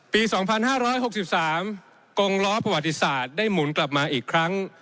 ปี๒๕๖๓กงล้อประวัติศาสตร์ได้หมุนกลับมาอีกครั้ง